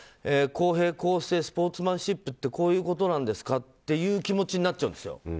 公平、公正スポーツマンシップってこういうことなんですかっていう気持ちになっちゃうんですよ。